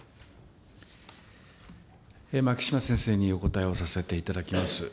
牧島先生にお答えをさせていただきます。